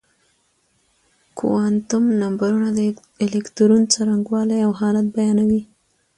کوانتم نمبرونه د الکترون څرنګوالی او حالت بيانوي.